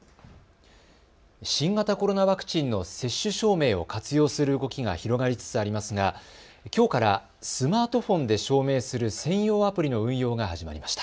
新型コロナワクチンの接種証明を活用する動きが広がりつつありますがきょうからスマートフォンで証明する専用アプリの運用が始まりました。